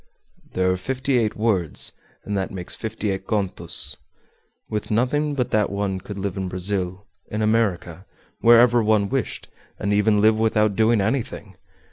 "There are fifty eight words, and that makes fifty eight contos. With nothing but that one could live in Brazil, in America, wherever one wished, and even live without doing anything!